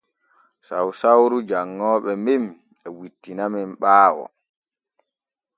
Sausauru janŋooɓe men e wittinamen ɓaawo.